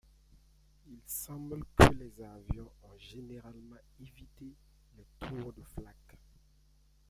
Il semble que les avions ont généralement évité les tours de Flak.